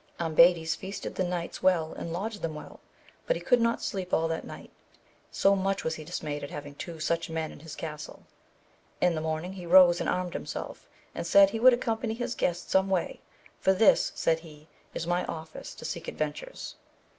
Ambades feasted the knights well, and lodged them well, but he could not sleep all that night, so much was he dismayed at having two such men in his. castle. In the morning he rose and armed himself, and said he would accompany his guests some way, for this, said he, is my office to seek adven tures.